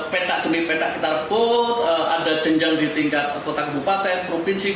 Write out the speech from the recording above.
peta demi peta kita reput ada jenjang di tingkat kota kebupaten provinsi